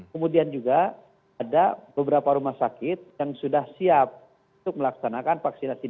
kemudian juga ada beberapa rumah sakit yang sudah siap untuk melaksanakan vaksinasi